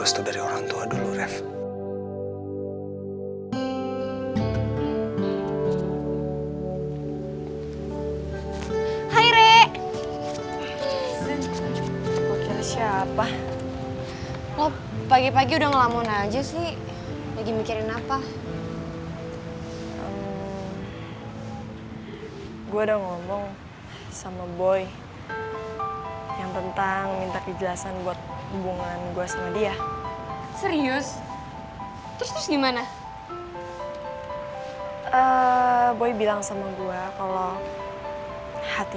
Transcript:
soalnya alex itu tuh orangnya nekat banget